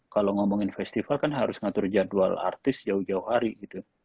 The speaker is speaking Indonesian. kalau ngomongin festival kan harus ngatur jadwal artis jauh jauh hari gitu